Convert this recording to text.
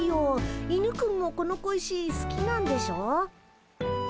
犬くんもこの小石好きなんでしょ？